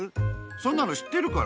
そんなのしってるから。